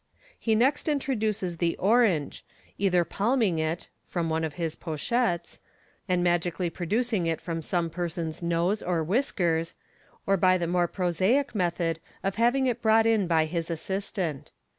He next introduces the orange, either palming it (from one of his pochettes), and magically pro ducing it from some person's nose or whiskers, or by the more pro saic method of having it brought in by his assistant.